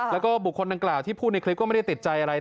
แล้วก็บุคคลดังกล่าวที่พูดในคลิปก็ไม่ได้ติดใจอะไร